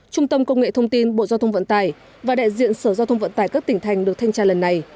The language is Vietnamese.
trung tâm công nghệ thông tin bộ giao thông vận tải và đại diện sở giao thông vận tải các tỉnh thành được thanh tra lần này